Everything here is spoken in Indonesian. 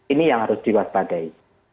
ini yang harus diwaspadai